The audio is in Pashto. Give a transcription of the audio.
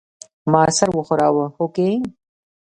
ما سر وښوراوه هوکې.